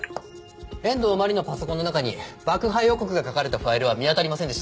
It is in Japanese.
遠藤真理のパソコンの中に爆破予告が書かれたファイルは見当たりませんでした。